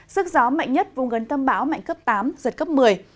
sức gió mạnh nhất vùng gần tâm bão mạnh cấp tám giật cấp một mươi